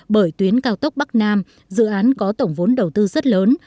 bởi tuyến cao tốc bắc nam dự án có tổng vốn đầu tư rất lớn